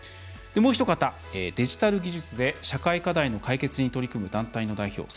もうひと方、デジタル技術で社会課題の解決に取り組む団体の代表